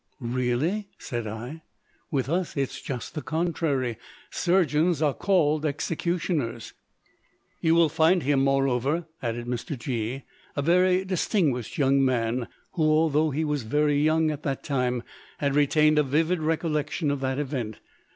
"Really?" said I. "With us it is just the contrary; surgeons are called executioners." "You will find him, moreover," added Mr. G——, "a very distinguished young man, who, although he was very young at that time, has retained a vivid recollection of that event.